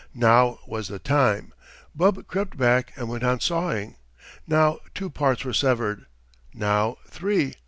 Now was the time! Bub crept back and went on sawing. Now two parts were severed. Now three.